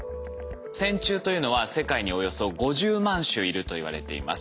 線虫というのは世界におよそ５０万種いるといわれています。